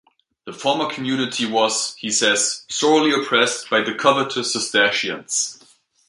The former community was, he says, sorely oppressed by the covetous Cistercians.